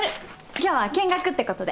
今日は見学ってことで。